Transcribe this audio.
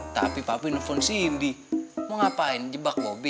tapi papi nelfon cindy mau ngapain jebak bobby